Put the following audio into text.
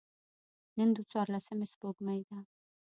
نن د څوارلسمي سپوږمۍ ده.